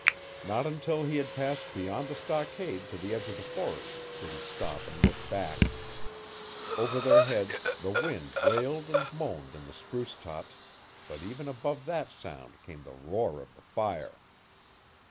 Not until he had passed beyond the stockade to the edge of the forest did he stop and look back. Over their heads the wind wailed and moaned in the spruce tops, but even above that sound came the roar of the fire.